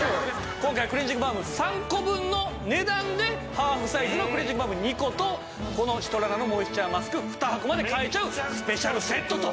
今回クレンジングバーム３個分の値段でハーフサイズのクレンジングバーム２個とこのシトラナのモイスチャーマスク２箱まで買えちゃうスペシャルセットと。